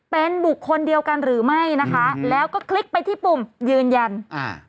เป็นบุคคลเดียวกันหรือไม่นะคะแล้วก็คลิกไปที่ปุ่มยืนยันอ่า